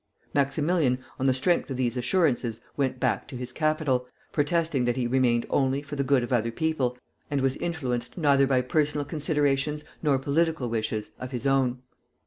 Maximilian, on the strength of these assurances, went back to his capital, protesting that he remained only for the good of other people, and was influenced neither by personal considerations nor political wishes of his own.